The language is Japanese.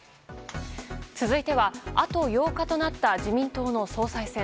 続いては、あと８日となった自民党の総裁選。